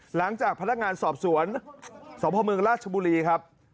หลังจากพนักงานสอบสวนสพเมืองราชบุรีครับ